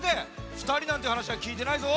ふたりなんていうはなしはきいてないぞ。